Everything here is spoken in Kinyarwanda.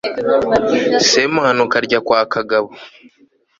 semuhanuka arya kwa kagabo